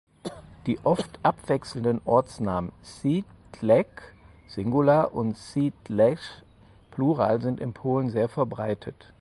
Die oft abwechselnden Ortsnamen Sie(d)lec (Singular) und Sie(d)lce (Plural) sind in Polen sehr verbreitet.